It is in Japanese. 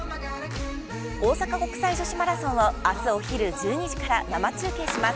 大阪国際女子マラソンをあす、お昼１２時から生中継します。